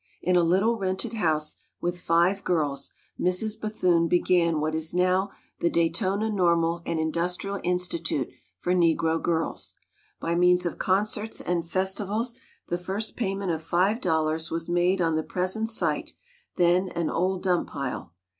In a little rented house, with five girls, Mrs. Bethune began what is now the Daytona Normal and Industrial Institute for Negro Girls. By means of concerts and festivals the first payment of five dollars was made on the present site, then an old dump pile.